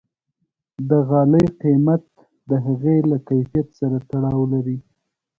د غالۍ قیمت د هغې له کیفیت سره تړاو لري.